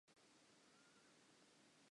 O nahana lehadima le tla hlaha hokae?